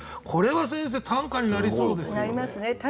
これは先生短歌になりそうですよね。